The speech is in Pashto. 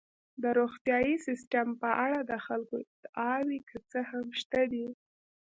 د روغتیايي سیستم په اړه د خلکو ادعاوې که څه هم شته دي.